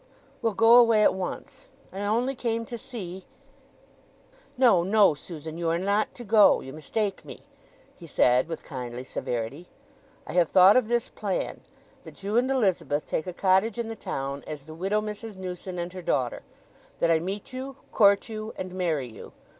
"We'll go away at once. I only came to see—" "No, no, Susan; you are not to go—you mistake me!" he said with kindly severity. "I have thought of this plan: that you and Elizabeth take a cottage in the town as the widow Mrs. Newson and her daughter; that I meet you, court you, and marry you.